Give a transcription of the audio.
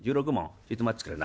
ちょいと待ってくれな。